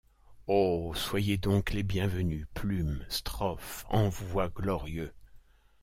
Oh ! soyez donc les bienvenues, Plume ! strophe ! envoi glorieux !